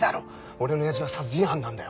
俺の親父は殺人犯なんだよ。